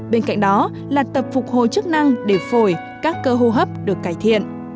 bên cạnh đó là tập phục hồi chức năng để phổi các cơ hô hấp được cải thiện